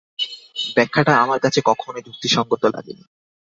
ব্যাখ্যাটা আমার কাছে কখনোই যুক্তিসংগত লাগেনি।